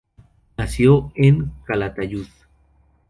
Nació el en Calatayud.